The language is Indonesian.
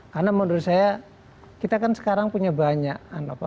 karena menurut saya kita kan sekarang punya banyak